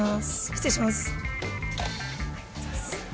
失礼します。